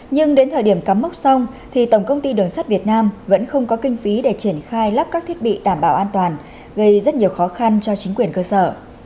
nhưng đến thời điểm cắm mốc xong thì tổng công ty đường sắt việt nam vẫn không có kinh phí để triển khai lắp các thiết bị đảm bảo an toàn gây rất nhiều khó khăn cho chính quyền cơ sở